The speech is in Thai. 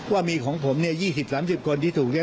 ว่ามีของผมเนี่ยยี่สิบสามสิบคนที่ถูกเรียก